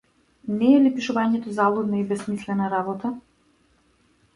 Не е ли пишувањето залудна и бесмислена работа?